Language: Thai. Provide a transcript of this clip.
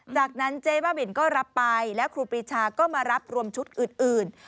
จากนั้นเจ๊บ้าบินก็รับไปแล้วครูปรีชาก็มารับรวมชุดอื่น